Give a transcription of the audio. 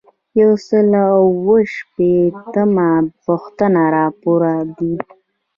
یو سل او اووه شپیتمه پوښتنه راپور دی.